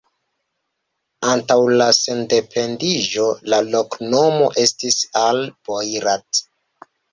Antaŭ la sendependiĝo la loknomo estis Al-Boirat.